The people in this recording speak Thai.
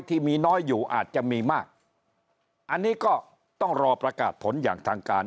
ที่มีน้อยอยู่อาจจะมีมากอันนี้ก็ต้องรอประกาศผลอย่างทางการ